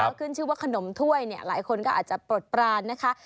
ก็ขึ้นชื่อว่าขนมถ้วยเนี่ยหลายคนก็อาจจะปลดปรานนะคะ